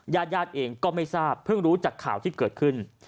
ญาติญาติเองก็ไม่ทราบเพิ่งรู้จากข่าวที่เกิดขึ้น